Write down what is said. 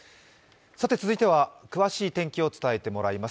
続いては詳しい天気を伝えてもらいます。